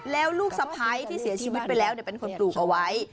แล้วลูกสะพ้ายที่เสียชีวิตไปแล้วเป็นคนปลูกเอาไว้